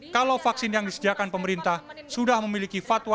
kalau vaksin yang disediakan oleh warga lain tidak akan memusikkan soal halal dan haram